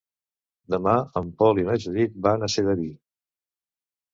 Demà en Pol i na Judit van a Sedaví.